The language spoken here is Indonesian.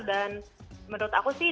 dan menurut aku sih